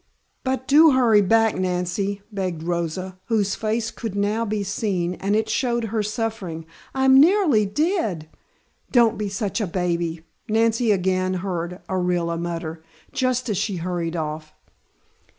"But do hurry back, Nancy," begged Rosa, whose face could now be seen and it showed her suffering. "I'm nearly dead " "Don't be such a baby," Nancy again heard Orilla mutter, just as she hurried off.